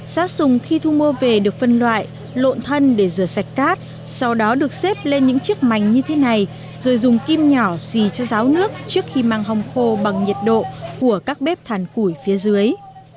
sát sùng khi thu mua về được phân loại lộn thân để rửa sạch cát sau đó được xếp lên những chiếc mảnh như thế này rồi dùng kim nhỏ xì cho ráo nước trước khi mang hong khô bằng nhiệt độ của các bếp thàn củi phía dưới